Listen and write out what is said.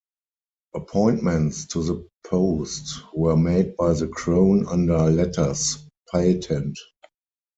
Appointments to the post were made by the crown under Letters Patent.